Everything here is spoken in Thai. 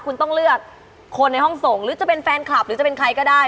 คุณต้องเลือกคนในห้องส่งหรือจะเป็นแฟนคลับหรือจะเป็นใครก็ได้